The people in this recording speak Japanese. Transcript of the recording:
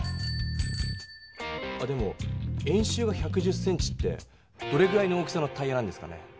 あでも円周が１１０ｃｍってどれぐらいの大きさのタイヤなんですかね？